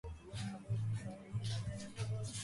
Mikhail Zadornov graduated from Moscow Aviation Institute.